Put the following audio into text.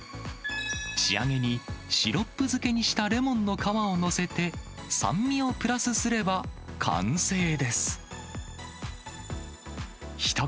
仕上げにシロップ漬けにしたレモンの皮を載せて、酸味をプラスすれば完成です。